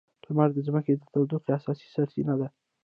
لمر د ځمکې د تودوخې اساسي سرچینه ده.